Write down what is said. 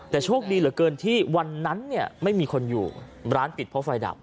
แต่โชคดีเหลือเกินที่วันนั้นเนี่ยไม่มีคนอยู่ร้านปิดเพราะไฟดับ